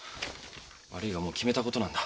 悪いがもう決めたことなんだ。